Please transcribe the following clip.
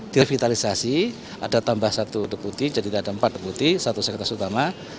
direvitalisasi ada tambah satu deputi jadi ada empat deputi satu sekretaris utama